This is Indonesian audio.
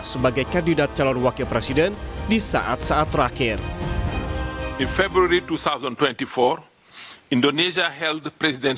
sebagai kandidat calon wakil presiden di saat saat terakhir